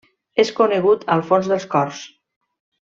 És conegut al fons dels cors.